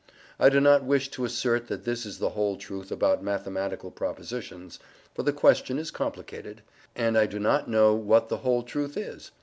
I do not wish to assert that this is the whole truth about mathematical propositions, for the question is complicated, and I do not know what the whole truth is.